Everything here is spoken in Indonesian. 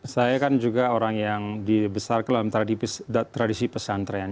saya kan juga orang yang di besar ke dalam tradisi pesantren